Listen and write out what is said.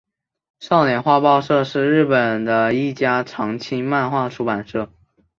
少年画报社是日本的一家长青漫画出版社。